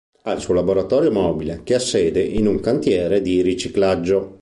Ha il suo laboratorio mobile, che ha sede in un cantiere di riciclaggio.